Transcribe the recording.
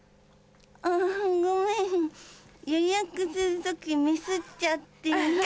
あぁごめん予約する時ミスちゃって。